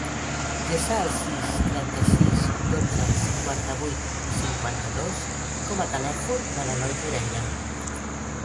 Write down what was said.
Desa el sis, trenta-sis, dotze, cinquanta-vuit, cinquanta-dos com a telèfon de l'Eloi Moreira.